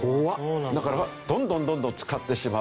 だからどんどんどんどん使ってしまう。